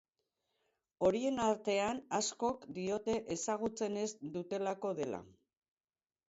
Horien artean, askok diote ezagutzen ez dutelako dela.